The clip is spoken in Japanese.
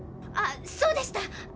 あそうでした。